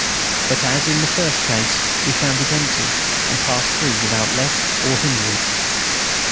But, as in the first case, we found it empty, and passed through without let or hindrance.